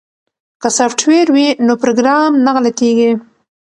که سافټویر وي نو پروګرام نه غلطیږي.